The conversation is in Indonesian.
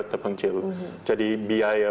terpencil jadi biaya